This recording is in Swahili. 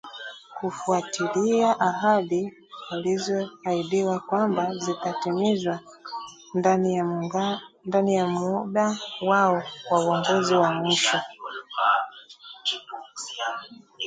kufuatilia ahadi walizoahidiwa kwamba zitatimizwa ndani ya muda wao wa uongozi ya mwisho